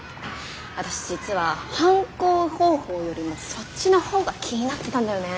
私実は犯行方法よりもそっちのほうが気になってたんだよね。